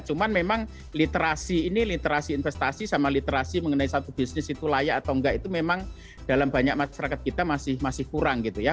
cuman memang literasi ini literasi investasi sama literasi mengenai satu bisnis itu layak atau enggak itu memang dalam banyak masyarakat kita masih kurang gitu ya